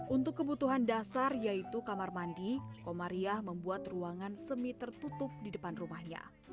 untuk kebutuhan dasar yaitu kamar mandi komariah membuat ruangan semi tertutup di depan rumahnya